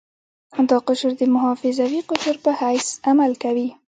دا قشر د محافظوي قشر په حیث عمل کوي.